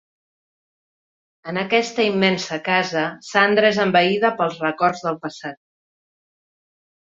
En aquesta immensa casa, Sandra és envaïda pels records del passat.